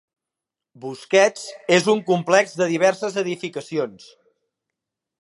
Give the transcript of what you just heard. Busquets és un complex de diverses edificacions.